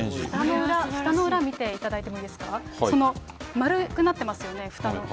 ふたの裏見ていただいていいですか、その丸くなってますよね、ふたの。